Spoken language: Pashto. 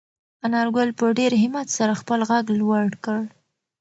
انارګل په ډېر همت سره خپل غږ لوړ کړ.